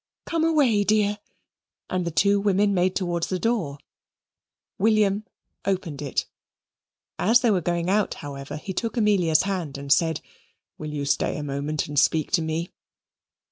Come away, dear." And the two women made towards the door. William opened it. As they were going out, however, he took Amelia's hand and said "Will you stay a moment and speak to me?"